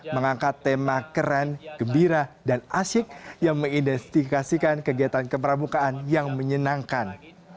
mengangkat tema keren gembira dan asyik yang menginvestigasikan kegiatan keperabukaan yang menyenangkan